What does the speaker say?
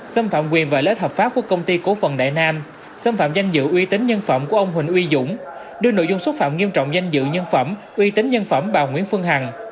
xâm phạm quyền và lết hợp pháp của công ty cố phần đại nam xâm phạm danh dự uy tín nhân phẩm của ông huỳnh uy dũng đưa nội dung xúc phạm nghiêm trọng danh dự nhân phẩm uy tín nhân phẩm bà nguyễn phương hằng